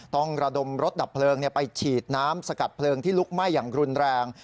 ต้องระดมรถดับเพลิงไปฉีดน้ำสกัดเพลิงที่ลุกไหม้อย่างรุนแรง